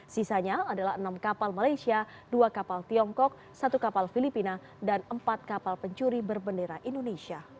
sisanya adalah enam kapal malaysia dua kapal tiongkok satu kapal filipina dan empat kapal pencuri berbendera indonesia